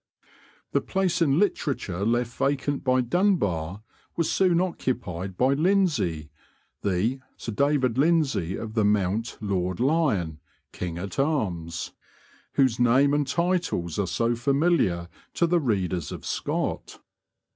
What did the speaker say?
The place in literature left vacant by Dunbar was soon occupied by Lindsay, the "Sir David Lindsay of the Mount Lord Lion, king at arms," whose name and titles are so familiar to the readers of Scott.